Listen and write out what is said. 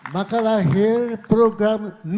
maka lahir program nusa dua